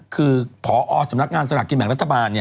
คือพอสำนักงานสลากกินแบ่งรัฐบาล